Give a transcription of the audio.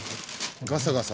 ガサガサ。